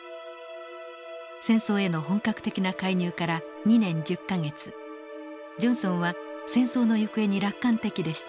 戦争への本格的な介入から２年１０か月ジョンソンは戦争の行方に楽観的でした。